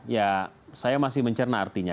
ya saya masih mencerna artinya